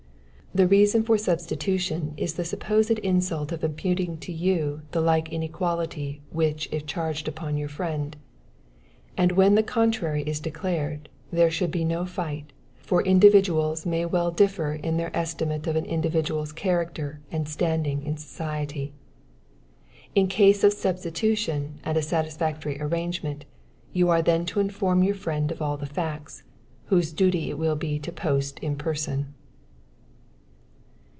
The true reason for substitution, is the supposed insult of imputing to you the like inequality which if charged upon your friend, and when the contrary is declared, there should be no fight, for individuals may well differ in their estimate of an individual's character and standing in society. In case of substitution and a satisfactory arrangement, you are then to inform your friend of all the facts, whose duty it will be to post in person.